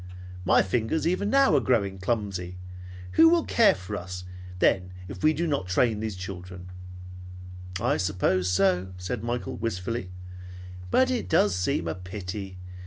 My fingers even now are growing clumsy. Who will take care of us then if we do not train these children?" "I suppose so," said Michael wistfully, "But it does seem a pity.